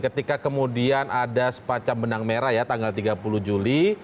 ketika kemudian ada semacam benang merah ya tanggal tiga puluh juli